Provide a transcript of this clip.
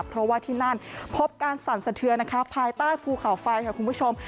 เพราะว่าที่นั่นพบการสั่นสะเทือนนะคะภายใต้ภูเขาไฟค่ะคุณผู้ชม